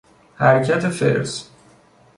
حرکت فرز